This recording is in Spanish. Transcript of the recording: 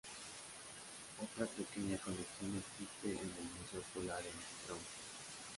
Otra pequeña colección existe en el Museo Polar en Tromsø.